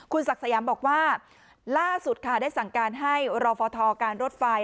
ศักดิ์สยามบอกว่าล่าสุดค่ะได้สั่งการให้รอฟทการรถไฟ